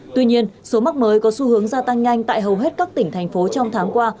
tuy nhiên số mắc mới có xu hướng gia tăng nhanh tại hầu hết các tỉnh thành phố trong tháng qua